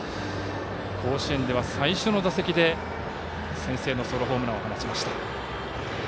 甲子園では最初の打席で先制のソロホームランを放ちました。